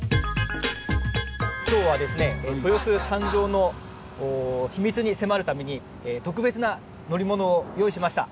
今日はですね豊洲誕生の秘密に迫るために特別な乗り物を用意しました。